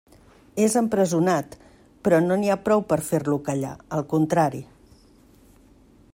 És empresonat, però no n'hi ha prou per fer-lo callar, al contrari.